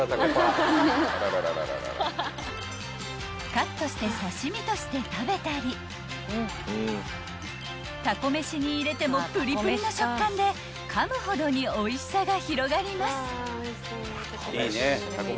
［カットして刺し身として食べたりたこ飯に入れてもプリプリの食感でかむほどにおいしさが広がります］